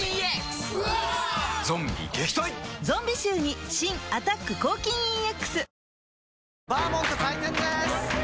ゾンビ臭に新「アタック抗菌ＥＸ」